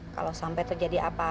karena bapak adalah